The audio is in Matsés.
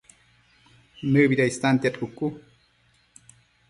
¿Nëbida istantiad cucu?